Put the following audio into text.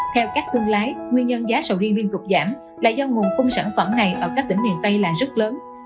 theo các thương lái nguyên nhân giá sầu riêng liên tục giảm là do nguồn cung sản phẩm này ở các tỉnh miền tây là rất lớn